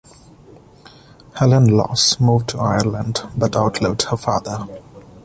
Helen Laws moved to Ireland but outlived her father.